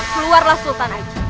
keluarlah sultan aji